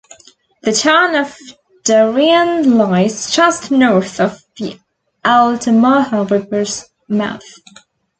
The town of Darien lies just north of the Altamaha River's mouth.